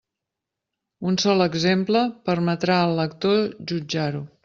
Un sol exemple permetrà al lector jutjar-ho.